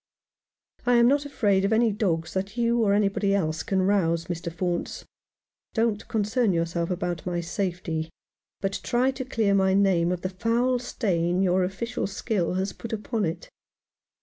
" I am not afraid of any dogs that you or any body else can rouse, Mr. Faunce. Don't concern yourself about my safety, but try to clear my name of the foul stain your official skill has put upon it."